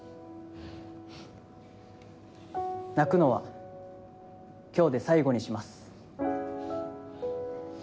泣くのは今日で最後にします。